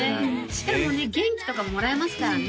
しかもね元気とかももらえますからね